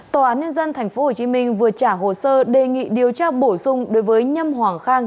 tòa án nhân dân tp hcm vừa trả hồ sơ đề nghị điều tra bổ sung đối với nhâm hoàng khang